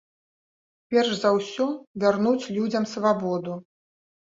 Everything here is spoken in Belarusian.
Перш за ўсё вярнуць людзям свабоду.